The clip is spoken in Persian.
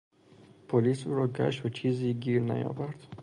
پلیس او را گشت و چیزی گیر نیاورد.